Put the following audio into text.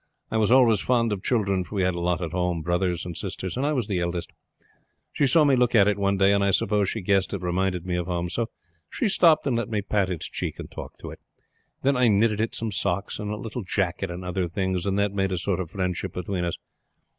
I was always fond of children; for we had a lot at home, brothers and sisters, and I was the eldest. She saw me look at it one day, and I suppose she guessed it reminded me of home. So she stopped and let me pat its cheek and talk to it. Then I knitted it some socks and a little jacket and other things, and that made a sort of friendship between us.